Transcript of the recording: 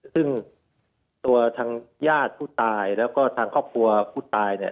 ซึ่งตัวทางญาติผู้ตายแล้วก็ทางครอบครัวผู้ตายเนี่ย